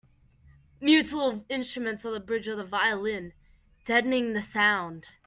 Mutes little instruments on the bridge of the violin, deadening the sound.